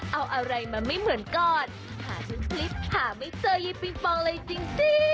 เอาอะไรมาไม่เหมือนก่อนหาจนพลิกหาไม่เจอยิปิงปองเลยจริง